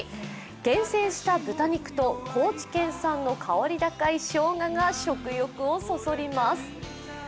厳選した豚肉と高知県産の香り高いしょうがが食欲をそそります。